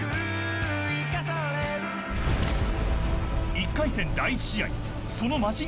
１回戦第１試合そのマシン